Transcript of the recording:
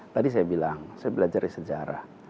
tadi saya bilang saya belajar dari sejarah